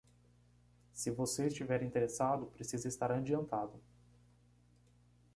Se você estiver interessado, precisa estar adiantado